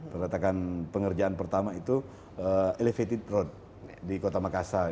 perletakan pengerjaan pertama itu elevated road di kota makassar